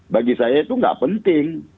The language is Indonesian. bagi saya itu nggak penting